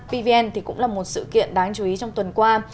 pvn cũng là một sự kiện đáng chú ý trong tuần qua